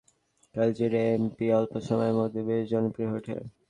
দুর্নীতিবিরোধী অবস্থানের কারণে কেজরিওয়ালের এএপি অল্প সময়ের মধ্যে বেশ জনপ্রিয় হয়ে ওঠে।